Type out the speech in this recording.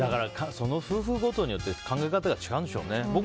その夫婦ごとに考え方が違うんでしょうね。